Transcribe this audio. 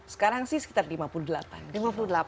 sekarang sih sekitar lima puluh delapan